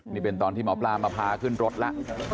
นี่เป็นตอนที่หมอปลามาพาขึ้นรถแล้ว